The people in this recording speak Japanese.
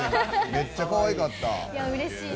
めっちゃかわいかった。